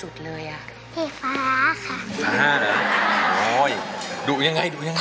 พี่โภค